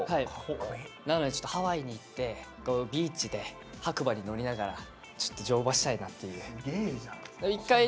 なのでちょっとハワイに行ってビーチで白馬に乗りながらちょっと乗馬したいなっていう。